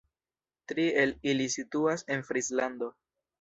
Tri el ili situas en Frislando.